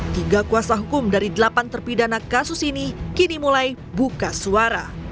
tiga kuasa hukum dari delapan terpidana kasus ini kini mulai buka suara